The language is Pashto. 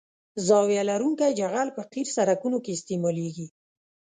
زاویه لرونکی جغل په قیر سرکونو کې استعمالیږي